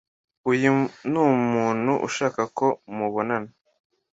Uyu numuntu nshaka ko mubonana.